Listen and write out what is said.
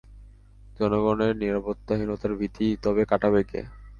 জনগণের নিরাপত্তাহীনতার ভীতি তবে কাটাবে কে?